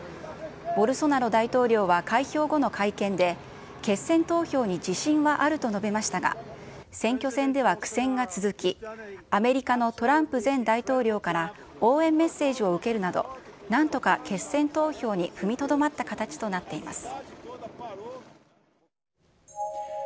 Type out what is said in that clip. ボルソナロ大統領は開票後の会見で、決選投票に自信があると述べましたが、選挙戦では苦戦が続き、アメリカのトランプ前大統領から応援メッセージを受けるなど、なんとか決選投票に踏みとどまった形となっています。